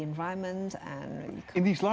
atau apakah itu pada alam semesta dan